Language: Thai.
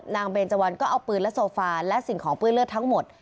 เบนเจวันก็เอาปืนและโซฟาและสิ่งของเปื้อนเลือดทั้งหมด